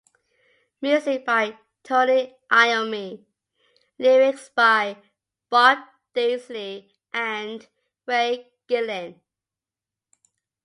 Music by Tony Iommi; lyrics by Bob Daisley and Ray Gillen.